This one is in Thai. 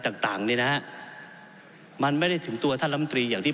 ผมอภิปรายเรื่องการขยายสมภาษณ์รถไฟฟ้าสายสีเขียวนะครับ